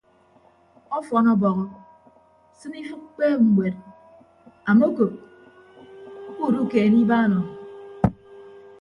Ọfọn ọbọhọ sịn ifịk kpeeb ñwed amokop kuudukeene ibaan o.